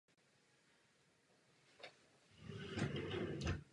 Příčina je ve zvýšení hladiny testosteronu.